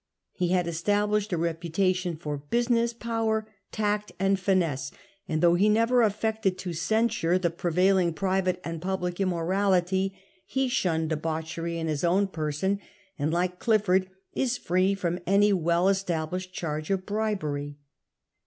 He had established a reputation for business power, tact, and finesse ; and though he never affected to censure the prevailing private and public immorality, he shunned debauchery in his own person, and, like Clifford, is free from any well established charge of bribery.